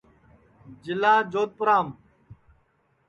جِلا جودپُورام